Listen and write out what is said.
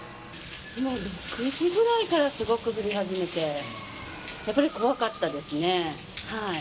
６時ぐらいからすごく降り始めて、やっぱり怖かったですね。